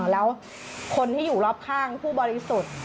แล้วคนที่อยู่รอบข้างผู้บริสุทธิ์